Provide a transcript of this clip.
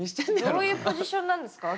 どういうポジションなんですか？